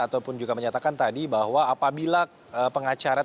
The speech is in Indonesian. ataupun juga menyatakan tadi bahwa apabila pengacara